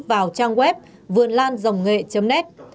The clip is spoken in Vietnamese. vào trang web vườnlan ngh net